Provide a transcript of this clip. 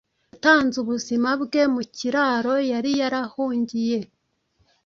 Yatanze ubuzima bwe mu kiraro yari yarahungiye